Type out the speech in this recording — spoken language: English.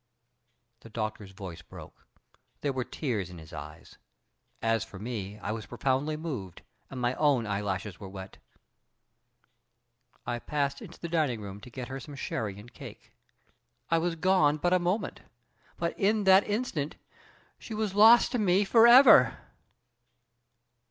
The Doctor's voice broke. There were tears in his eyes. As for me, I was profoundly moved, and my own eyelashes were wet. "I passed into the dining room to get her some sherry and cake. I was gone but a moment, but in that instant she was lost to me forever."